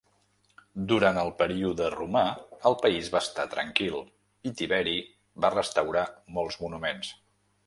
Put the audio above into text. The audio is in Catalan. Durant el període romà el país va estar tranquil, i Tiberi va restaurar molts monuments.